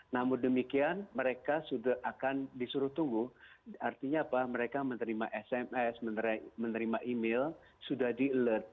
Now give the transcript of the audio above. namun demikian mereka sudah akan disuruh tunggu artinya apa mereka menerima sms menerima email sudah di alert